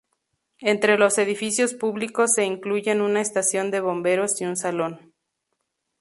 Entre los edificios públicos se incluyen una estación de bomberos y un salón.